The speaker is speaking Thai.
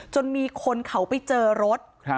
จนมีคนเขาไปเจอรถ